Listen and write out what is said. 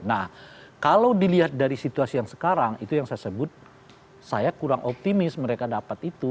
nah kalau dilihat dari situasi yang sekarang itu yang saya sebut saya kurang optimis mereka dapat itu